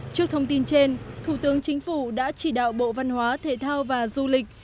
trước thông tin trên thủ tướng chính phủ đã chỉ đạo bộ văn hóa thể thao và du lịch